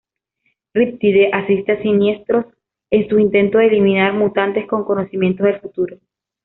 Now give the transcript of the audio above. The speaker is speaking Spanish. Riptide asiste a Siniestro en sus intentos de eliminar mutantes con conocimiento del futuro.